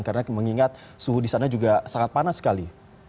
karena mengingat suhu disana juga sangat panas sekali